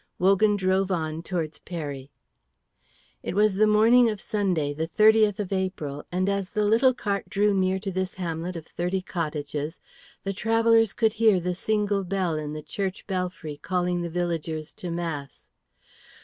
Wogan drove on towards Peri. It was the morning of Sunday, the 30th of April; and as the little cart drew near to this hamlet of thirty cottages, the travellers could hear the single bell in the church belfry calling the villagers to Mass.